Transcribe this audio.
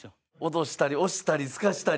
脅したり押したりすかしたり。